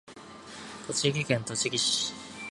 栃木県栃木市